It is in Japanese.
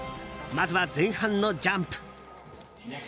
まずは前半のジャンプ。